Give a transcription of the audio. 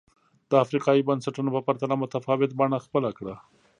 د افریقايي بنسټونو په پرتله متفاوته بڼه خپله کړه.